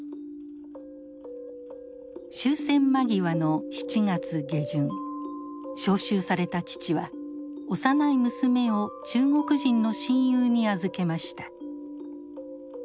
終戦間際の７月下旬召集された父は幼い娘を中国人の親友に預けました。